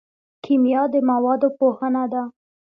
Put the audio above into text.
کیمیا د موادو پوهنه ده